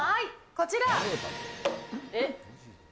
こちら。